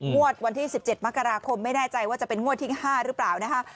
วันที่๑๗มกราคมไม่แน่ใจว่าจะเป็นงวดที่๕หรือเปล่านะคะ